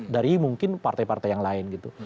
jadi mungkin partai partai yang lain gitu